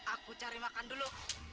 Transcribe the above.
aku cari makan dulu